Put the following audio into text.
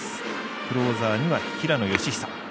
クローザーには平野佳寿。